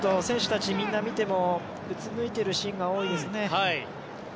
選手たちを見てもうつむいているシーンが多いですね。